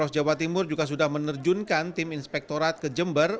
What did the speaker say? dua puluh enam agustus pempros jawa timur juga sudah menerjunkan tim inspektorat ke jember